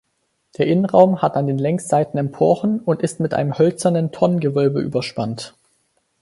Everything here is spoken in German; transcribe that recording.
Der Innenraum hat an den Längsseiten Emporen und ist mit einem hölzernen Tonnengewölbe überspannt.